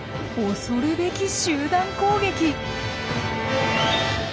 恐るべき集団攻撃。